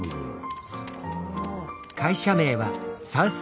すごい。